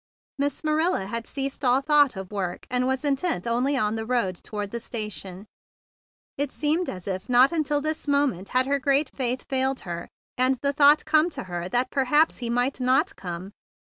Miss Marilla had given over all thought of work, and was intent only on the road toward the station. It would seem as if not until this moment had her great faith failed her, and the thought come to her that perhaps he might not come.